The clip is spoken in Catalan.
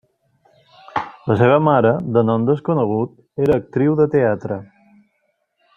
La seva mare, de nom desconegut, era actriu de teatre.